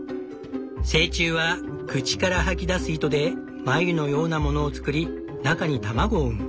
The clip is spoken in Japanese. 成虫は口から吐き出す糸でまゆのようなものを作り中に卵を産む。